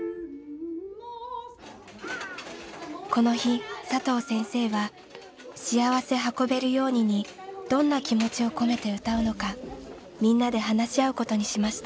この日佐藤先生は「しあわせ運べるように」にどんな気持ちを込めて歌うのかみんなで話し合うことにしました。